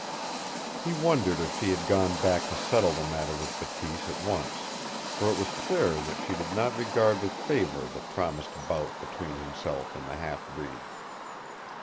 He wondered if she had gone back to settle the matter with Bateese at once, for it was clear that she did not regard with favor the promised bout between himself and the half breed.